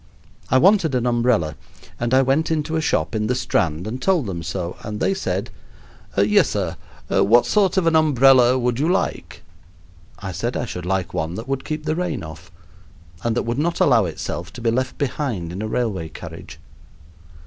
I wanted an umbrella, and I went into a shop in the Strand and told them so, and they said: "Yes, sir. What sort of an umbrella would you like?" I said I should like one that would keep the rain off, and that would not allow itself to be left behind in a railway carriage.